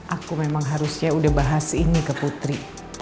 aku memang harusnya udah bahas ini ke putri